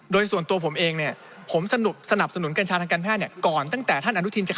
โดยส่วนตัวผมเองเนี่ย